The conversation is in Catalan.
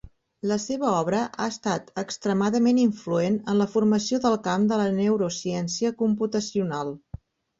La seva obra ha estat extremadament influent en la formació del camp de la neurociència computacional.